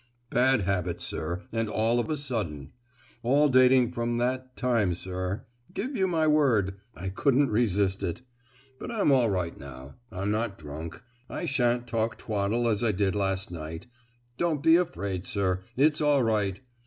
"Bad habits, sir; and all of a sudden. All dating from that time, sir. Give you my word, I couldn't resist it. But I'm all right now—I'm not drunk—I shan't talk twaddle as I did last night; don't be afraid sir, it's all right!